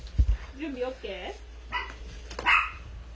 準備ＯＫ？